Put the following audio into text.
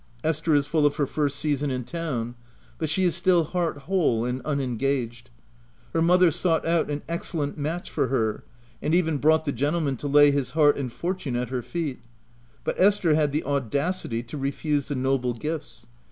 Esther is full of her first season in town ; but she is still heart whole and unengaged. Her mother sought out an excellent match for her, and even brought the gentleman to lay his heart and for tune at her feet; but Esther had the audacity to refuse the noble gifts.